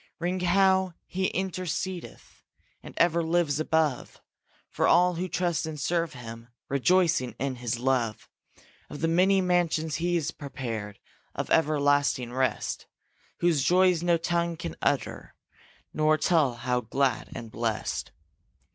Ring how he intercedeth And ever lives above For all who trust and serve him, Rejoicing in his love; Of the many mansions he's prepared Of everlasting rest, Whose joys no tongue can utter Nor tell how glad and blest.